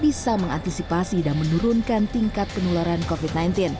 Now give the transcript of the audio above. bisa mengantisipasi dan menurunkan tingkat penularan covid sembilan belas